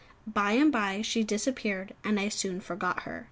By and by she disappeared, and I soon forgot her.